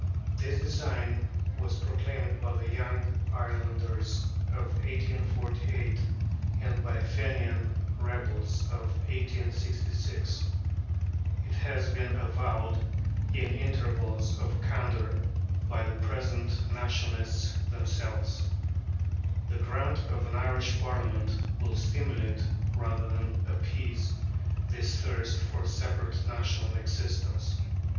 This design was proclaimed by the Young Irelanders of 1848 and by the Fenian rebels of 1866; it has been avowed, in intervals of candour, by the present Nationalists themselves. The grant of an Irish Parliament will stimulate rather than appease this thirst for separate national existence.